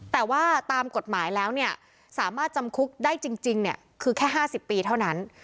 แต่ว่าตามกฎหมายแล้วเนี่ยสามารถจำคุกได้จริงคือแค่๕๐ปีเท่านั้น